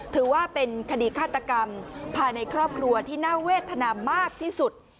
ถือว่าเป็นคดีฆาตกรรมภายในครอบครัวที่น่าเวทนามากที่สุด